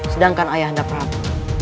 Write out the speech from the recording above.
sedangkan ayah anda prabu